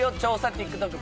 ＴｉｋＴｏｋ